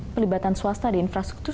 pelibatan swasta di infrastruktur